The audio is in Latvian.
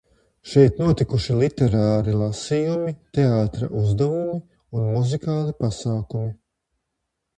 Šeit notikuši literāri lasījumi, teātra uzvedumi un muzikāli pasākumi.